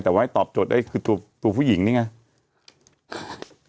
แต่ว่าตอบโจทย์ตัวผู้หญิงนี่ไง